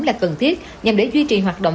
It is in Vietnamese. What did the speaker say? là cần thiết nhằm để duy trì hoạt động